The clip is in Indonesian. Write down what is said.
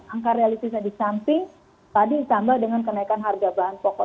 angka realistisnya di samping tadi ditambah dengan kenaikan harga bahan pokok